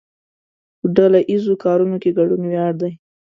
په ډله ایزو کارونو کې ګډون ویاړ دی.